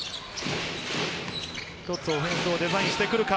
一つオフェンスをデザインしてくるか？